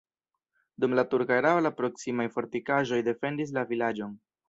Dum la turka erao la proksimaj fortikaĵoj defendis la vilaĝon.